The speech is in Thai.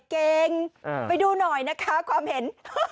เก่งไปดูหน่อยนะคะความเห็น